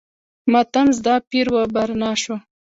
ماتم زده پیر و برنا شو.